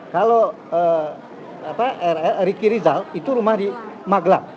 kalau riki rizal itu rumah di magelang